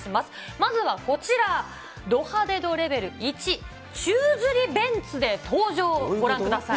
まずはこちら、ド派手度レベル１、宙づりベンツで登場、ご覧ください。